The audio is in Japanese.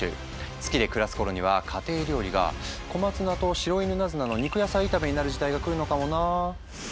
月で暮らす頃には家庭料理がコマツナとシロイヌナズナの肉野菜炒めになる時代が来るのかもなあ。